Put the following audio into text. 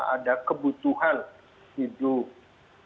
ada kebutuhan hidup